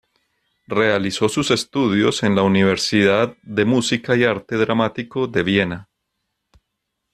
Realizó sus estudios en la Universidad de Música y Arte Dramático de Viena.